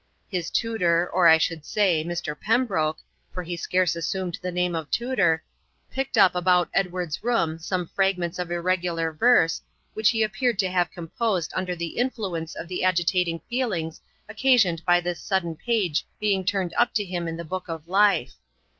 His tutor, or, I should say, Mr. Pembroke, for he scarce assumed the name of tutor, picked up about Edward's room some fragments of irregular verse, which he appeared to have composed under the influence of the agitating feelings occasioned by this sudden page being turned up to him in the book of life.